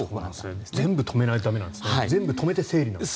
全部止めないと駄目なんですね。